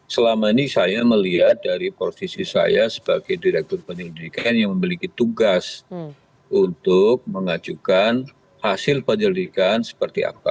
selama ini saya melihat dari posisi saya sebagai direktur penyelidikan yang memiliki tugas untuk mengajukan hasil penyelidikan seperti apa